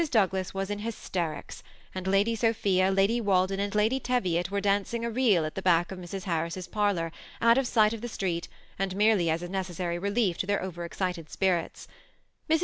Douglas was in hysterics, and Lady Sophia, Lady Walden, and Lady Teviot were dancing a reel at the back of Mrs. Harris's parlor, out of sight of the street, and merely as a necessary relief to their over ezdted spirits. Mrs.